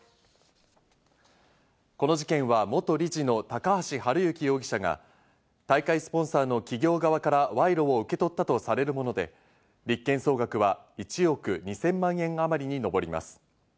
この事件は元理事の高橋治之容疑者が大会スポンサーの企業側から賄賂を受け取ったとされるもので、立件総額は１億２０００万円あまりに上ります。